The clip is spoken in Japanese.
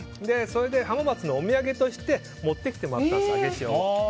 それで浜松のお土産として持ってきてもらったんですあげ潮を。